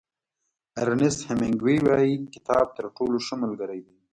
ارنیست هېمېنګوی وایي کتاب تر ټولو ښه ملګری دی.